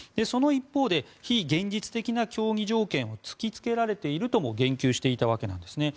その一方で非現実的な協議条件を突きつけられているとも言及していたわけです。